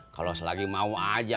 kalau selagi mau aja